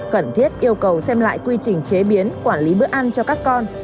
cần thiết yêu cầu xem lại quy trình chế biến quản lý bữa ăn cho các con